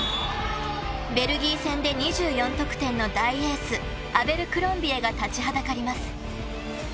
ベルギー戦２４得点の大エースアベルクロンビエが立ちはだかります。